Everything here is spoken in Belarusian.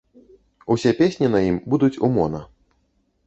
Усе песні на ім будуць у мона.